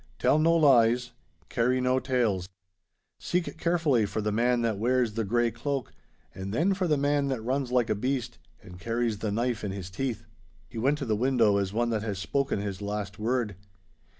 Tell no lies. Carry no tales. Seek carefully for the man that wears the grey cloak, and then for the man that runs like a beast and carries the knife in his teeth.' He went to the window as one that has spoken his last word.